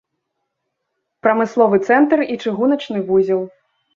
Прамысловы цэнтр і чыгуначны вузел.